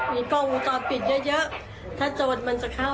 ติดไปเกี่ยวกันไหมคะ